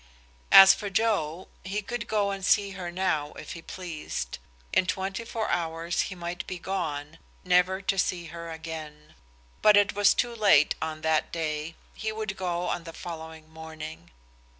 As for Joe, he could go and see her now if he pleased. In twenty four hours he might be gone, never to see her again. But it was too late on that day he would go on the following morning.